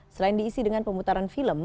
selain diisi dengan pemutaran film